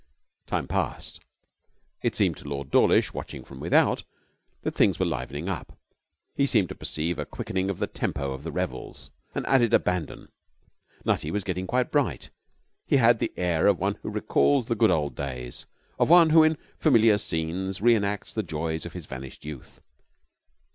Time passed. It seemed to Lord Dawlish, watching from without, that things were livening up. He seemed to perceive a quickening of the tempo of the revels, an added abandon. Nutty was getting quite bright. He had the air of one who recalls the good old days, of one who in familiar scenes re enacts the joys of his vanished youth.